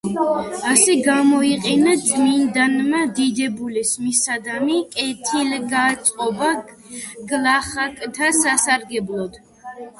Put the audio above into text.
ასე გამოიყენა წმიდანმა დიდებულის მისადმი კეთილგანწყობა გლახაკთა სასარგებლოდ.